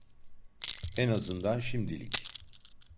En azından şimdilik.